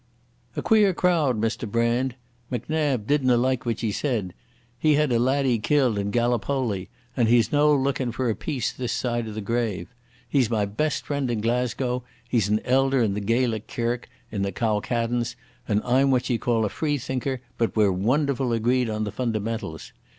"A queer crowd, Mr Brand! Macnab didna like what ye said. He had a laddie killed in Gallypoly, and he's no lookin' for peace this side the grave. He's my best friend in Glasgow. He's an elder in the Gaelic kirk in the Cowcaddens, and I'm what ye call a free thinker, but we're wonderful agreed on the fundamentals.